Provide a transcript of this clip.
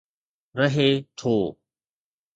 رهي ٿو.